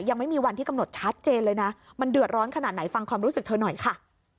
ยังไม่มีวันที่กำหนดชัดเจนเลยนะมันเดือดร้อนขนาดไหนฟังความรู้สึกเธอหน่อยค่ะ